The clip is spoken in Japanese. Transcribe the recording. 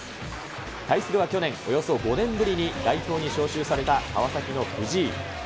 対するは去年、およそ５年ぶりに代表に招集された、川崎の藤井。